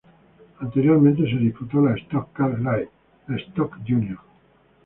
Anteriormente se disputó la Stock Car Light, la Stock Jr.